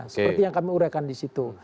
seperti yang kami uraikan di situ